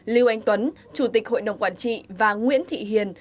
lưu anh tuấn chủ tịch hội đồng quản trị và nguyễn thị hiền